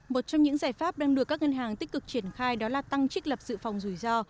một trong những giải pháp đang được các ngân hàng tích cực triển khai đó là tăng trích lập dự phòng rủi ro